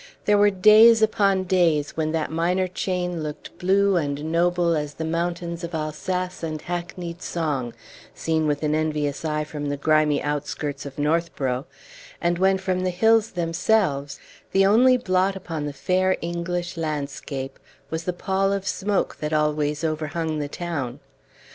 There were days upon days when that minor chain looked blue and noble as the mountains of Alsace and hackneyed song, seen with an envious eye from the grimy outskirts of Northborough, and when from the hills themselves the only blot upon the fair English landscape was the pall of smoke that always overhung the town.